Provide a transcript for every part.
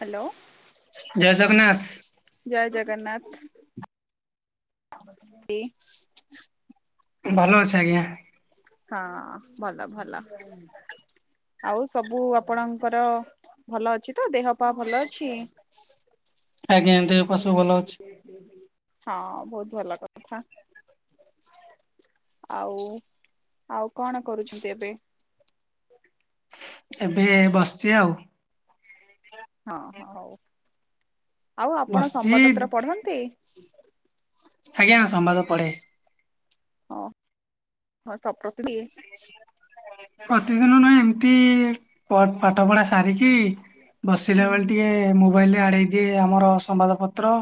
Hello ଜୟ ଜଗନ୍ନାଥ ଜୟ ଜଗନ୍ନାଥ ଭଲ ଅଛି ଆଜ୍ଞା। ହଁ ଭଲ ଭଲ ଆଉ ସବୁ ଆପଣଙ୍କର ଭଲ ଅଛି ତ ଦେହ ପା ଭଲ ଅଛି? ଆଜ୍ଞା ଏ ଦେହ ପା ସବୁ ଭଲ ଅଛି। ହଁ ବୋହୁତ ଭଲ କଥା ଆଉ ଆଉ କଣ କରୁଛନ୍ତି ଏବେ? ଏବେ ବସିଛି ଆଉ। ହଁ ହଁ ହୋଉ ଆଉ ଆପଣ ବସିଛି ସମ୍ବାଦତ୍ର ପଢନ୍ତି। ଆଜ୍ଞା ସମ୍ବାଦ ପଢେ। ହଁ ହଁ ସପତି ବି ପ୍ରତିଦିନ ନହ ଏମିତି ପା ପାଠ ପଢା ସାରିକି ବସିଲା ହୁଁ ବେଳେ ହୁଁ ଟିକେ ମୁଁ ମୋବାଇଲରେ ଆଡେଇ ଦିଏ ଆମର ସମ୍ବାଦ ପତ୍ର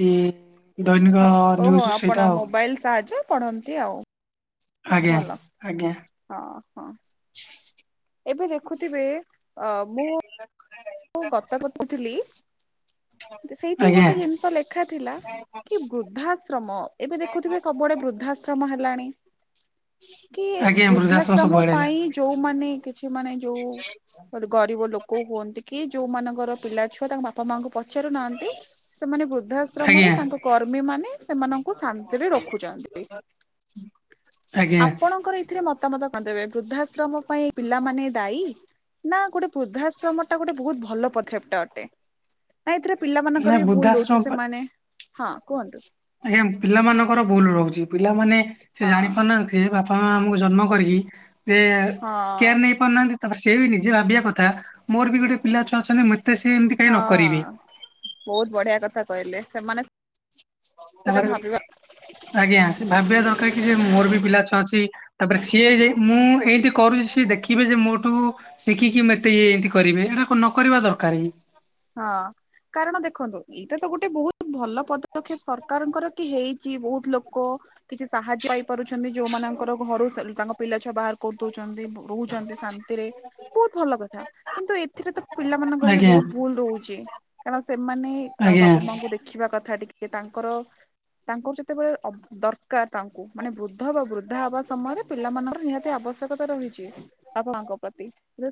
କି ଦୈନିକ ହଁ ଓହୋ ନିଜ ଆପଣ [unintelligible] ମୋବାଇଲ ସାହାଯ୍ୟ ପଢ଼ନ୍ତି, ଆଉ ଆଜ୍ଞା ଭଲ ଆଜ୍ଞା ହଁ ହଁ। ଏବେ ଦେଖୁଥିବେ ଅ ମୁଁ ମୁଁ ଗତ [unintelligible] ସେଇଠି ଆଜ୍ଞା ଗୋଟେ ଜିନିଷ ଲେଖା ଥିଲା କି ବୃଦ୍ଧାଶ୍ରମ ଏବେ ଦେଖୁଥିବେ ସବୁଆଡେ ବୃଦ୍ଧାଶ୍ରମ ହେଲାଣି। କି ଆଜ୍ଞା ବୃଦ୍ଧାଶ୍ରମ ସବୁଆଡେ ହେଲା ପାଇଁ ଯୋଉମାନୋ କିଛି ମାନେ ଯୋଉ ଗରିବ ଲୋକ ହୁଅନ୍ତି ଯୋଉ ମାନଙ୍କର ପିଲା ଛୁଆ ତାଙ୍କ ବାପା ମାଙ୍କୁ ପଚାରୁ ନାହାନ୍ତି ସେମାନେ ବୃଦ୍ଧାଶ୍ରମରେ ଆଜ୍ଞା ତାଙ୍କ କର୍ମୀ ମାନେ ମାନଙ୍କ ଶାନ୍ତିରେ ରଖୁଛନ୍ତି ଆଜ୍ଞା ଆପଣଙ୍କର ଏଥିରେ ମତାମତ କରିଦେବେ ବୃଦ୍ଧାଶ୍ରମ ପାଇଁ ପିଲାମାନେ ଦାୟୀ, ନା ଗୋଟେ ବୃଦ୍ଧାଶ୍ରମ ଏଟା ଗୋଟେ ବୋହୁତ ଭଲ ପଦକ୍ଷେପ ଅଟେ ନା ଏଥିରେ ପିଲା ନା ମଙ୍କର ବି ଭୁଲ ରହୁଛି ବୃଦ୍ଧାଶ୍ରମ ସେମାନେ ହଁ। କୁହନ୍ତୁ। ଆଜ୍ଞା ପିଲାମାନାନଙ୍କର ଭୁଲ ରହୁଚି, ପିଲାମାନେ ସେ ହଁ ଜାଣି ପାରୁନାହାନ୍ତି ସେ ବାପା ମା ଆମକୁ ଜନ୍ମ କରିକି ଏ ହଁ କେୟାର ନେଇ ପାରୁନାହାନ୍ତି। ତାପରେ ସେ ବି ନିଜେ ଭାବିବା କଥା ମୋର ବି ଗୋଟେ ପିଲା ଛୁଆ ଅଛନ୍ତି ମତେ ସେମିତି ହଁ ବୋହୁତ ବଢିଆ କଥା କହିଲେ ସେମାନେ ସେଟା ତାପରେ ଭାବିବା ଆଜ୍ଞା ସେ ଭାବିବା ଦରକାର କି ଯେ ମୋର ବି ପିଲା ଛୁଆ ଅଛି। ତାପରେ ସିଏ ମୁଁ ଏଇତି କରୁଚି ସିଏ ଦେଖିବେ ଯେ ମୋଠୁ ଶିଖିକି ମତେ ଇଏ ଏମିତି କରିବେ ଏଇଟା ନକର ଦରକାର ଏଇଁ ହଁ କାରଣ ଦେଖନ୍ତୁ ଏଇଟା ତ ଗୋଟେ ବୋହୁତ ଭଲ ପଦକ୍ଷେପ ସରକାରଙ୍କର କି ହେଇ କି ବୋହୁତ ଲୋକ କିଛି ସାହାଯ୍ୟ ପାଇପାରୁଚନ୍ତି ଯୋଉମାନଙ୍କର ଘରୁ ତାଙ୍କ ପିଲାଛୁଆ ବାହାର କରିଦଉଛନ୍ତି ରହୁଛନ୍ତି ଶାନ୍ତି ବୋହୁତ ଭଲ କଥା କିନ୍ତୁ ଏଥିରେ ତ ପିଲାମାନାନଙ୍କର ବି ଆଜ୍ଞା ବୋହୁତ ଭୁଲ ରହୁଚି କାରଣ ସେମାନେ ଆଜ୍ଞା ବାପା ମାଙ୍କୁ ଦେଖ ଦେଖିବା କଥା ଟିକେ ତାଙ୍କର ତାଙ୍କର ଯେତେବେଳେ ଅ ଦର୍ ତାଙ୍କୁ ମାନେ ବୃଦ୍ଧ ବା ବୃଦ୍ଧା ହବା ସମୟରେ ପିଲାମାନାନଙ୍କର ନିହାତି ଆବଶ୍ୟକତା ରହିଚି। [unintelligible] ପ୍ରତି।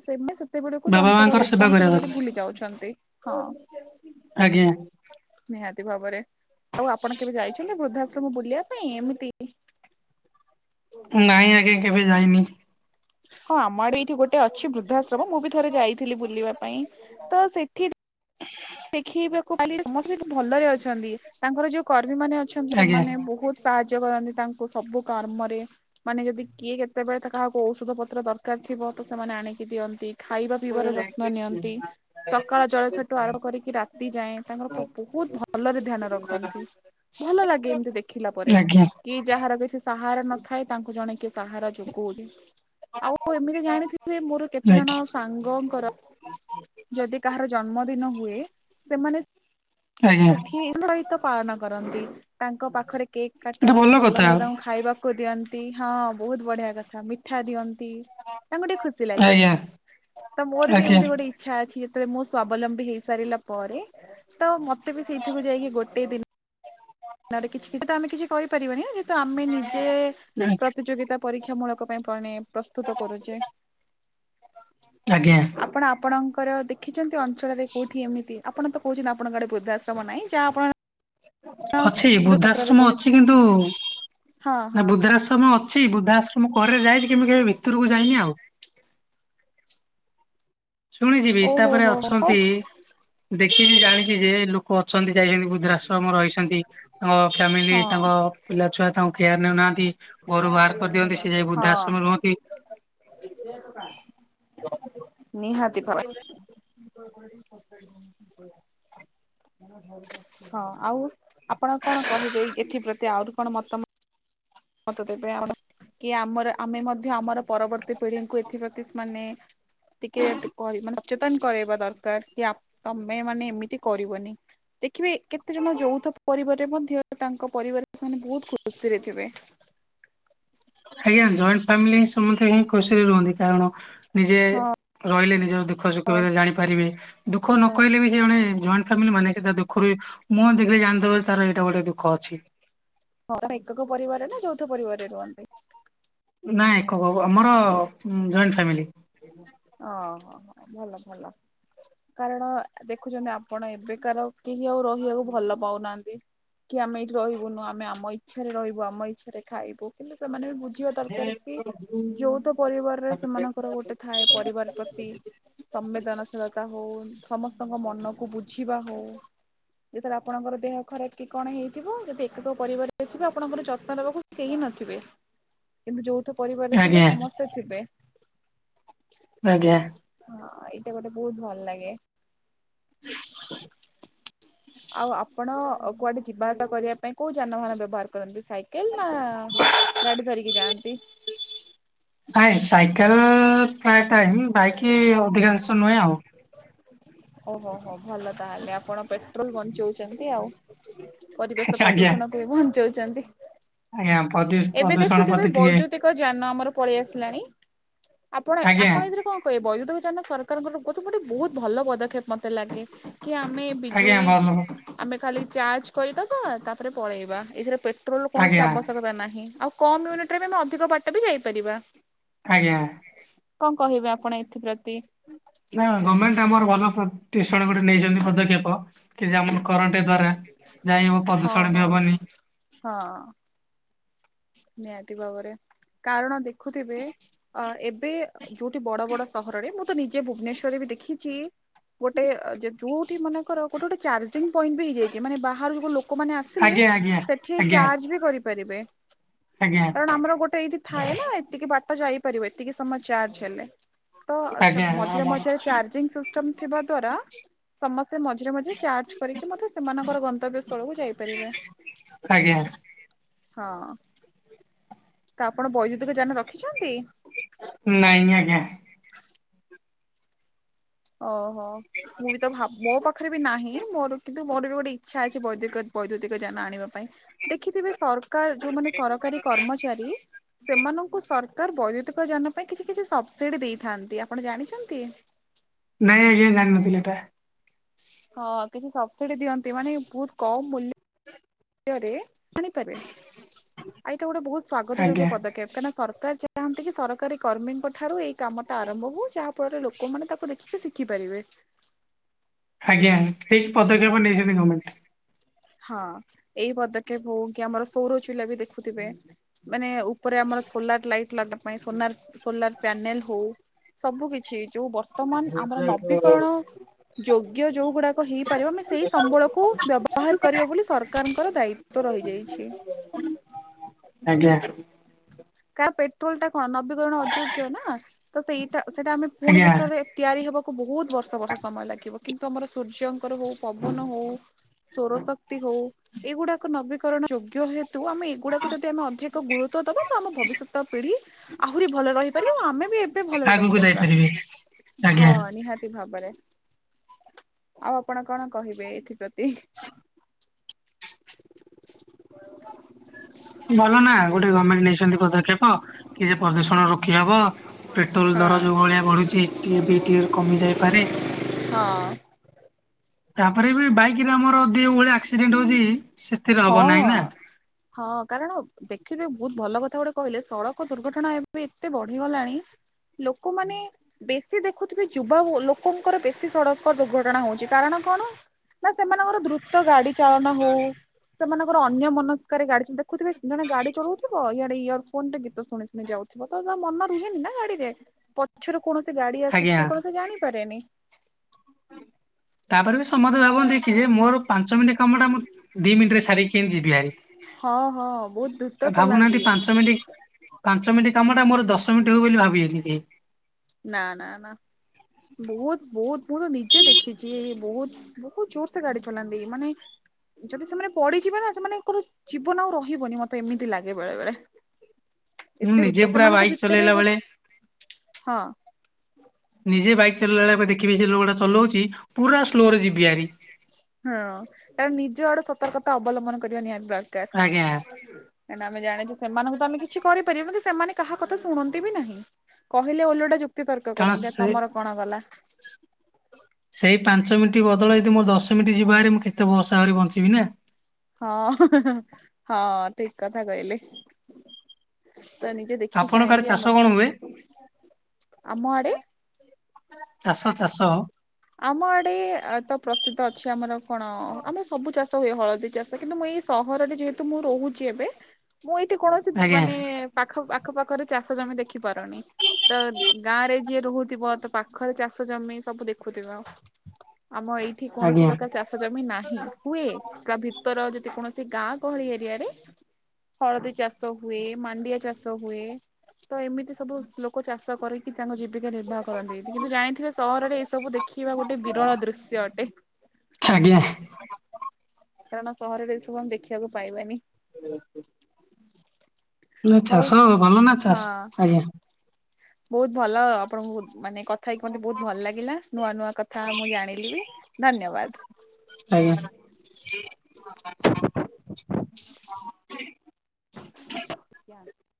ସେମାନେ ସେତେବେଳକୁ ବାବା ତାଙ୍କର ମାଙ୍କର ସେବା କରିବା ରେପନସିବିଲିଟି ଦରକାର ଭୁଲି ଯାଉଛନ୍ତି ହଁ। ଆଜ୍ଞା। ନିହାତି ଭାବରେ ଆଉ ଆପଣ କେବେ ଯାଇଛନ୍ତି ବୃଦ୍ଧାଶ୍ରମ ବୁଲିବା ପାଇଁ ଏମିତି। ନାଇଁ ଆଜ୍ଞା। କେବେ ଯାଇନି ହଁ ଆମ ଆଡେ ଏଇଠି ଗୋଟେ ଅଛି ବୃଦ୍ଧାଶ୍ରମ ମୁଁ ବି ଥରେ ଯାଇଥିଲି ବୁଲିବା ପାଇଁ ତ ସେଠି ଶିଖେଇବାକୁ ସମସ୍ତେେ ଭଲରେ ଅଛନ୍ତି ତାଙ୍କର ଯୋଉ କର୍ମୀ ମାନେ ଅଛନ୍ତି ଆଜ୍ଞା ସେମାନେ ବୋହୁତ ସାହାଯ୍ୟ କରନ୍ତି ତାଙ୍କୁ ସବୁ କର୍ମରେ ମାନେ ଯଦି କିଏ କେତେବେଳେ ତା କାହାକୁ ଔଷଧ ପତ୍ର ଦରକାର ଥିବ ତ ସେମାନେ ଆଣିକି ଦିଅନ୍ତି। ଖାଇବା ପିଇବାର ହରେ ଯତ୍ନ ନିଅନ୍ତି କୃଷ୍ଣ ହରେ ସକାଳ କୃଷ୍ଣ। ଜଳଖେଟୁ ଆରମ୍ଭ କର ରାତି ଯାଏଁ ତାଙ୍କର ବହୁତ ଭଲରେ ଧ୍ୟାନ ରଖନ୍ତି। ଭଲ ଲାଗେ ଏମିତି ଦେଖିଲା ପରେ। ଆଜ୍ଞା କି ଯାହାର କିଛି ସାହାରା ନଥାଏ ତାଙ୍କୁ ଜଣେ କିଏ ସାହାରା ଯୋଗଉଛି। ଆଉ [unintelligible] ଏମିତି ଜାଣିଥିବେ ମୋର କେତେ ଜଣ ଆଜ୍ଞା ସାଙ୍ଗଙ୍କର ଯଦି କାହାର ଜନ୍ମଦିନ ହୁଏ ସେମାନେ ଆଜ୍ଞା ସେଠି [unintelligible] ସହିତ ପାଳନ କରନ୍ତି। ତାଙ୍କ ପାଖରେ କେକ୍ ଏଟା କାଟନ୍ତି ଭଲ କଥା ଭରେ ତାଙ୍କୁ ଖାଇବା କୁ ଦିଅନ୍ତି ହଁ ବହୁତ ବଢିଆ କଥା ମିଠା ଦିଅନ୍ତି। ତାଙ୍କୁ ଟିକେ ଖୁସି ଲାଗେ ଆଜ୍ଞା ତ ମୋର ବି ଆଜ୍ଞା। ଏମତି ଗୋଟେ ଇଛା ଅଛି ଯେତେବେଳେ ମୁଁ ସ୍ଵାବଲମ୍ବୀ ହେଇସାରିଲା ପରେ ତ ମତେ ବି ସେଇଠକୁ ଯାଇକି ଗୋଟେ ଦିନ ନେ କିଛି ତ ଆମେ କିଛି କହିପାରିବାନି ନା [unintelligible] ତ ଆମେ ନିଜେ ପ୍ରତିଯୋଗିତା ପରୀକ୍ଷା ମୂଳକ ପାଇଁ ମାନେ ପ୍ରସ୍ତୁତ କରୁଛେ। [unintelligible] ଆଜ୍ଞା ଆପଣ ଆପଣଙ୍କର ଦେଖ ରଖିଛନ୍ତି ଅଞ୍ଚଳରେ କୋଉଠି ଏମିତି ଆପଣ ତ କହୁଛନ୍ତି ଆପଣଙ୍କ ଗଡେ ବୃଦ୍ଧାଶ୍ରମ ନାଇଁ ଯାହା ଆପଣ ଅଛି ଦୂରପତ୍ରରେ ବୃଦ୍ଧାଶ୍ରମ ଅଛି ପଢିଥିବେ କିନ୍ତୁ ହଁ ନା ହଁ ବୃଦ୍ଧାଶ୍ରମ ଅଛି ବୃଦ୍ଧାଶ୍ରମ କରେ ଯାଇଛି କିନ୍ତୁ କେବେ ଭିତରକୁ ଯାଇନି ଆଉ। ଶୁଣିଛି ବି ଓହୋ ତାପରେ ହୋ ହୋ ହଉ ଅଛନ୍ତି ଦେଖିବି ଜାଣିଛି ଯେ ଲୋ ଅଛନ୍ତି ଯାଇଛନ୍ତି ବୃଦ୍ଧାଶ୍ରମ ରହିଛନ୍ତି ତାଙ୍କ ଫ୍ୟାମିଲି ତାଙ୍କ ହଁ ପିଲଛୁଆ ଥାଉ କେୟର ନେଉ ନାହାନ୍ତି। ଘରୁ ବାହାର କରିଦିଅନ୍ତି ସେ ଯାଇ ବୃଦ୍ଧାଶ୍ରମରେ ହଁ ରୁହନ୍ତି। [unintelligible] ନିହାତି ପା [unintelligible] ହଁ ଆଉ ଆପଣ କଣ କହିବେ ଏଇ ଏଥି ପ୍ରତି ଆହୁରି କଣ ମତାମ ମତ ଦେବେ [unintelligible] କି ଆମର ଆମେ ମଧ୍ୟ ଆମର ପରବର୍ତ୍ତୀ ପିଢିଙ୍କୁ ଏଥିପତିସ୍ ମାନେ ଟିକେ [unintelligible] ସଚେତନ କରାଇବା ଦରକାର କି ଆମେ ତମେ ମାନେ ଏମିତି କରିବନି। ଦେଖିବେ କେତେ ଜଣ ଯୌଥ ପରିବାରରେ ମଧ୍ୟ ତାଙ୍କ ପରିବାର ସେମାନେ ବହୁତ ଖୁସିରେ ଥିବେ। [unintelligible] ଆଜ୍ଞା ଜଏଣ୍ଟ ଫାମିଲି ହିଁ ସମସ୍ତେ ହିଁ ଖସିରେ ରୁହନ୍ତି କାରଣ ନିଜେ ହଁ ରହିଲେ ନିଜର ଦୁଃଖ ସୁଖ ଜାଣିପାରିବେ ଦୁଃଖ ହଁ ନ କହିଲେ ବି ଜଣେ ଜଏଣ୍ଟ ଫ୍ୟାମିଲି ମାନେ ଅଛି ତା ଦୁଃଖରୁ ମୁହଁ ଦେଖିଲେ ଯାଣିଦବ ତାର ଏଇଟା ଗୋଟେ ଦୁଃଖ ଅଛି। ହଁ ତମେ ଏକକ ପରିବାର ନା ଯୌଥ ପରିବାରରେ ରୁହନ୍ତି? ନା ଏକକ ଆମର ଜଏଣ୍ଟ ଫ୍ୟାମିଲି। ଓ ହ ହ ଭଲ ଭଲ। କାରଣ ଦେଖୁଛନ୍ତି ଆପଣ ଏବେକାର କେହି ଆଉ ରହିବାକୁ ଭଲ ପାଉନାହାନ୍ତି। କି ଆମେ ଏଠି ରହିବୁନୁ ଆମେ ଆମ ଇଚ୍ଛାରେ ରହିବୁ ଆମ ଇଚ୍ଛାରେ ଖାଇବୁ କିନ୍ତୁ ସେମାନେ ବି ବୁଝ ଝିଅ ଦରକାର କି ଯୌଥ ପରିବାରରେ ସେମାନଙ୍କର ଗୋଟେ ଥାଏ ପରିବାର ପ୍ରତି ସମ୍ବେଦନଶୀଳତା ହଉ ସମସ୍ତଙ୍କ ମନକୁ ବୁଝିବା ହଉ ଯେତେବେଳେ ଆପଣଙ୍କର ଦେହ ଖରାପ କି କଣ ହେଇଥିବ ଯଦି ଏକକ ପରିବାରରେ ଥିବେ ଆପଣଙ୍କର ଯତ୍ନ ନବାକୁ କେହି ନଥିବେ କିନ୍ତୁ ଯୌଥ ପରିବାର୍ ଆଜ୍ଞା [unintelligible] ସମସ୍ତେ ଥିବେ। ଆଜ୍ଞା। ହଁ ଏଇଟା ଗୋଟେ ବହୁତ ଭଲ ଲାଗେ। [unintelligible] ଆଉ ଆପଣ କୁଆଡେ ଯିବା ଆସା କରିବା ପାଇଁ କୋଉ ଯାନବାହାନ ବ୍ୟବହାର କରନ୍ତି ସାଇ ଏ ମା ଗାଡି ଧରିକି ଯାଆନ୍ତି। [unintelligible] ନାଇଁ ସାଇକେଲ ପ୍ରାୟ ଟାଇମ୍ ବାଇକ ଅଧିକାଂଶ ନୁହେଁ ଆଉ। ଓହୋ ହୋ ଭଲ ତାହେଲେ ଆପଣ ପେଟ୍ରୋଲ ବଞ୍ଚଉଛନ୍ତି ଆଉ। ପରିବେଶ ଆଜ୍ଞା ପ୍ରଦୂଷଣକୁ ବଞ୍ଚାଉଛନ୍ତି। ଆଜ୍ଞା ପ୍ରଦୂ ଏବେ ପ୍ରଦୂଷଣ ଦେଖୁଥିବେ ପ୍ରତି ଟିକେ ବୈଦ୍ୟୁତି ତ ଯାନ ଆମର ପଳେଇ ଆସିଲାଣି ଆପଣ ଆଜ୍ଞା ଆପଣ ଏଥିରେ କଣ କହିବେ ବୈଦୁକ ଯାନ ସରକାରଙ୍କର କହୁଠୁ ଗୋଟେ ବହୁତ ଭଲ ପଦକ୍ଷେପ ମତେ ଲାଗେ କି ଆମେ ଆଜ୍ଞା ଭଲ ଆମେ ଖାଲି ଚାର୍ଜ କରିଦବା ତାପରେ ପଳେଇବା ଏଥିରେ ପେଟ୍ରୋଲ ର କୌଣସି ଆଜ୍ଞା ଆବଶ୍ୟକତା ନାହିଁ ଆଉ କମ୍ ୟୁନିଟରେ ବି ଆମେ ଅଧିକ ବାଟ ବି ଯାଇପାରିବା। ଆଜ୍ଞା। କଣ କହିବେ ଆପଣ ଏଥିପ୍ରତି? ନା ଗମେଣ୍ଟ ଆମର ଭଲ ପ୍ରତିଷଣ ଗୋଟେ ନେଇଛନ୍ତି ପଦକ୍ଷେପ କି ଯେ ଆମ କରରେଣ୍ଟ ଦ୍ଵାରା ଯାଇବ ହଁ ପ୍ରଦୂଷଣ ହଁ ବି ହବନି। ହଁ। ନିହାତି ଭାବରେ କାରଣ ଦେଖୁଥିବେ ଅ ଏବେ ଯୋଉଠି ବଡ ବଡ ସହରରେ ମୁଁ ତ ନିଜେ ଭୁବନେଶ୍ଵରରେ ବି ଦେଖିଛି ଗୋଟେ ଯୋଉଠି ମନେକର ଗୋଟେ ଗୋଟେ ଚାର୍ଜ ପଏଣ୍ଟ ବି ହେଇଯାଇଛି ମାନେ ବାହାରୁ ଲୋକ ଲୋକମାନେ ଆସିଲେ ଆଜ୍ଞା ଆଜ୍ଞା ସେଠି ଆଜ୍ଞା ଚାର୍ଜ ବି କରିପାରିବେ। ଆଜ୍ଞା କାରଣ ଆମର ଗୋଟେ ଏଇଠି ଥାଏ ନା ଏତିକି ବାଟ ଯାଇପାରିବ ଏତିକି ସମୟ ଚାର୍ଜ ହେଲେ। ତ ସେ ଆଜ୍ଞା ମଝିରେ ଆମର ମଝିରେ ଚାର୍ଜିଂ ସିଷ୍ଟମ ଥିବା ଦ୍ଵାରା ସମସ୍ତେ ମଝିରେ ମଝିରେ ଚାର୍ଜ କରିକି ମଧ୍ୟ ସେମାନଙ୍କର ଗନ୍ତବ୍ୟ ସ୍ଥଳକୁ ଯାଇପାରିବେ। ଆଜ୍ଞା। ହଁ। ତ ଆପଣ ବୈଦ୍ୟୁତିକ ଯାନ ରଖିଛନ୍ତି? ନାଇଁ ଆଜ୍ଞା। ଓହୋ ମୁଁ ବି ତ ଭାବ ମୋ ପାଖରେ ବି ନାହିଁ ମୋର କି ନ୍ତୁ ମୋର ବି ଗୋଟେ ଇଚ୍ଛା ଅଛି ବୈ ବୈଦ୍ୟୁକ ଯାନ ଆଣିବା ପାଇଁ। ଦେଖିଥିବେ ସରକାର ଯୋଉମାନେ ସରକାରୀ କର୍ମଚାରୀ ସେମାନଙ୍କୁ ସର କାର ବୈଦ୍ୟୁତିକ ଯାନ ପାଇଁ କିଛି କିଛି ସବସିଡି ଦେଇଥାନ୍ତି ଆପଣ ଜାଣିଛନ୍ତି? ନାଇଁ ଆଜ୍ଞା ଜଣିିନଥିଲି ଏଟା। ହଁ କିଛି ସବସିଡି ଦିଅନ୍ତି ମାନେ ବହୁତ କମ ମୂଲ୍ୟ ଲ୍ୟରେ ଆଣିପାରିବେ ଏଇଟା ଗୋଟେ ବହୁତ ସ୍ଵାଗତ ଯୋଗ୍ୟ ଆଜ୍ଞା ପଦକ୍ଷେପ କାହିଁକି ନା ସରକାର ଚା ହାନ୍ତି କି ସରକାରୀ କର୍ମୀଙ୍କ ଠାରୁ ଏଇ କାମ ଟା ଆରମ୍ଭ ହଉ ଯାହା ଫଳରେ ଲୋକମାନେ ତାକୁ ଦେଖିକି ଶିଖିପାରିବେ। ଆଜ୍ଞା। ଠିକ୍ ପଦକ୍ଷେପ ନେଇଛନ୍ତି ଗମେଣ୍ଟ। ହଁ ଏଇ ପଦକ୍ଷେପ ହଉ କି ଆମର ସୌରଚୁଲା ବି ଦେଖୁଥିବେ ମାନେ ଉ ଉପରେ ଆମର ସୋଲାର ଲାଇଟ୍ ଲାଗିବା ପାଇଁ ସୋଲାର ସୋଲାର ପ୍ୟାନେଲ ହଉ ସବୁ କିଛି ଯୋଉ ବର୍ଷ ବର୍ତ୍ତମାନ ଆମର ନବୀକରଣ ଯୋଗ୍ୟ ଯୋଉ ଗୁଡାକ ହେଇପାରିବ ଆମେ ସେଇ ସମ୍ବଳକୁ ବ୍ୟବ ହାର କରିବା ବୋଲି ସରକାରଙ୍କର ଦାୟିତ୍ଵ ରହିଯାଇଛି। ଆଜ୍ଞା। କାର ପେଟ୍ରୋଲ ଟା କଣ ନବୀକରଣ ଅଯୋଗ୍ୟ ନା? ତ ସେଇଟା ସେଇଟା ଆମେ ପୁଣି ଆଜ୍ଞା ଯେତେବେଳେ ତିଆରି ହବାକୁ ବହୁତ ବର୍ଷ ବର୍ଷ ସମୟ ଲାଗିବ କିନ୍ତୁ ଆମର ସୂର୍ଯ୍ୟଙ୍କର ହଉ ପବନ ହଉ ସୋର ଶକ୍ତି ହଉ ଏଇଗୁଡାକ ନବୀକରଣ ଯୋଗ୍ୟ ହେତୁ ଆମେ ଏଗୁଡ଼ାକୁ ଯଦି ଆମେ ଅଧିକ ଗରୁତ୍ୱ ଦେବା ଆମ ଭବିଷ୍ୟତ ପିଢି ଆହୁରି ଭଲରେ ରହିପାରିବ ଆମେ ବି ଏବେ ଭଲରେ ଆଗକୁ ରହିପାରିବା। ଯାଇପାରିବେ ଆଜ୍ଞା। ହଁ ନିହାତି ଭାବରେ ଆଉ ଆପଣ କଣ କହିବେ ଏଥିପତି? ଭଲ ନା ଗୋଟେ ଗମେଣ୍ଟ ନେଇଛନ୍ତି ପଦକ୍ଷେପ କି ଯେ ପ୍ରଦୂଷଣ ରୋକିହବ ପେଟ୍ରୋଲ ଦର ଯୋଉ ହଁ। ଭଳିଆ ବଢୁଛି ଟିକେ ବି ଟିକେ କମି ଯାଇପାରେ ହଁ। ତାପରେ ବି ବାଇକରେ ଆମର ଦି ଓଳି ଆକ୍ସିଡେଣ୍ଟ ହଉଛି ସେଥିରେ ହବ ହଁ। ନାହିଁ ନା। ହଁ କାରଣ ଦେଖିବେ ବହୁତ ଭଲ କଥା ଗୋଟେ କହିଲେ ସଡକ ଦୁର୍ଘଟଣା ଏବେ ଏତେ ବଢିଗଲାଣି ଲୋକମାନେ ବେଶି ଦେଖ ଦେଖୁଥିବେ ଯୁବା ଲୋକଙ୍କର ବେଶୀ ସଡକ ଦୁର୍ଘଟଣା ହଉଛି କାରଣ କଣ? ନା ସେମାନଙ୍କର ଦ୍ରୁତ ଗାଡି ଚାଳନ ହଉ ସେମାନଙ୍କର ଅନ୍ୟ ମନସ୍କାରେ ଗାଡି ଦେଖୁଥିବେ ଜଣେ ଗାଡି ଚଳଉଥିବ ଇଆଡେ ଇର ଫୋ ଫୋନଟେ ଗୀତ ଶୁଣି ଶୁଣି ଯାଉଥିବ ତ ତା ମନ ରୁହେନି ନା ଗାଡିରେ। ପ ପଛରୁ କୌଣସି ଗାଡି ଆସୁଛି ଆଜ୍ଞା କି କୌଣସି ଜାଣିପାରେନି। ତାପରେ ବି ସମସ୍ତେ ଭାବନ୍ତି କିରେ ମୋର ପାଞ୍ଚ ମିନିଟ କାମ ଟା ମୁ ଦି ମିିନିଟରେ ସାରିକି କେମିତି ଯିବି ହାରି। ହଁ ହଁ ବହୁତ ଦୁତ ଚଲାନ୍ତି। ତମେ [unintelligible] ପାଞ୍ଚ ମିନିଟ୍ କାମଟା ମୋର ଦଶ ମିନିଟ୍ ହବ ବୋଲି ଭାବିବେନି କେଇ। ନା ନା ନା ବହୁତ ବହୁତ ମୁଁ ତ ନିଜେ ଦେଖିଛି ବହୁତ ବହୁତ ଜୋର ସେ ଗାଡି ଚଲାନ୍ତି ମାନେ ଯଦି ସେମାନେ ପଡିଯିବେ ନା ସେମାନଙ୍କର ଜୀବନ ଆଉ ରହିବନି ମତେ ଏମିତି ଲାଗେ ବେଳେ ବେଳେ। ମୁଁ ଏତେ ନିଜେ ଦୁତ ପୁରା ସେମାନଙ୍କ ବାଇକ୍ ଭିତରେ ଚଲେଇଲା ବେଳେ ଗୋଟ୍ ହଁ। ନିଜେ ବାଇକ୍ ଚଲେଇଲା ବେଳେ ଦେଖିବି ଯେ ଲୋକଟା ଚଲଉଛି ପୁରା ସ୍ଲୋରେ ଯିବି ଆରି। ହଁ କାରଣ ନିଜ ଆଡେ ସତର୍କତା ଅବଲମ୍ବନ କରିବା ନିହାତି ଦରକାର। ଆଜ୍ଞା। କାଇଁ ନା ଆମେ ଜାଣିଛେ ସେମାନଙ୍କୁ ତ ଆମେ କିଛି କରିପାରିବୁ ନାଇଁ, କି ସେମାନେ କାହା କଥା ଶୁଣନ୍ତି ବି ନାହିଁ। କହିଲେ ଓଲଟା ଯୁକ୍ତିତର୍କ କାରଣ କରନ୍ତି, ଆ ସେ ତମର କଣ ଗଲା। ସେଇ ପାଞ୍ଚ ମିନିଟ୍ ବଦଳରେ ଯଦି ମୋ ଦଶ ମିନିଟ ଯିବ ହାରି ମୁଁ କେତେ ବର୍ଷ ଆହୁରି ବଞ୍ଚିବି ନା। ହଁ ହଁ ଠିକ କଥା କହିଲେ। ତ ନିଜେ ଦେଖି ଆପଣଙ୍କ ଆଡେ ଚାହିଁକି ଚାଷ କଣ ହୁଏ ଆମର, ଆମ ଆଡେ ଚାଷ ଚାଷ। ଆମ ଆଡେ-ଏ-ଏ ତ ପ୍ରସିଦ୍ଧ ଅଛି ଆମର କଣ ଆମର ସବୁ ଚାଷ ହୁଏ ହଳଦୀ ଚାଷ କିନ୍ତୁ ମୁଁ ଏଇ ସହରରେ ଯେହେତୁ ମୁଁ ରହୁଛି ଏବେ, ମୁଁ ଏଇଠି କୌଣସି ଆଜ୍ଞା ମାନେ ପାଖ ଆଖ ପାଖରେ ଚାଷ ଜମି ଦେଖିପାରୁନି। ତ ଗାଁ ରେ ଯିଏ ରହୁଥିବ ତ ପାଖରେ ଚାଷ ଜମି ସବୁ ଦେଖ ଦେଖୁଥିବ ଆମ ଏଇଠି କୌଣସି ଆଜ୍ଞା। ପ୍ରକାର ଚାଷ ଷ ଜମି ନାହିଁ ହୁଏ କ ଭିତର ଯଦି କୌଣସି ଗାଁ ଗହଳି ଏରିଆରେ ହଳଦୀ ଚାଷ ହୁଏ, ମାଣ୍ଡିଆ ଚାଷ ହୁଏ। ତ ଏମିତି ସବୁ ଲୋକ ଚାଷ କରିକି ତାଙ୍କ ଜୀବିକା ନିର୍ବାହ କରନ୍ତି, ଏ କିନ୍ତୁ ଜାଣିଥିବେ ସହରରେ ଏ ସ ବୁ ଦେଖିବା ଗୋଟେ ବିରଳ ଦୃଶ୍ୟ ଅଟେ। ଆଜ୍ଞା। କାରଣ ସହରରେ ଏ ସବୁ ଆମେ ଦେଖିବାକୁ ପାଇବାନି। [inaudible] ନା ହଉ ଚାଷ ଭଲ ନା ହଁ ଚାଷ ଆଜ୍ଞା। ବହୁତ ଭଲ ଆପଣଙ୍କୁ ମାନେ କ ଥାଇକି ମୋତେ ବହୁତ ଭଲ ଲାଗିଲା, ନୂଆ ନୂଆ କଥା ମୁଁ ଜାଣିଲି ବି ଧନ୍ୟବାଦ। ଆଜ୍ଞା। [inaudible] [inaudible]